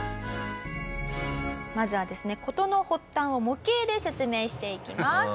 まずはですね事の発端を模型で説明していきます。